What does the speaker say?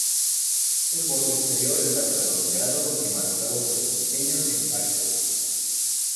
El borde exterior está redondeado y marcado por pequeños impactos.